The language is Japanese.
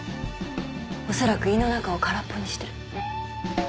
恐らく胃の中を空っぽにしてる。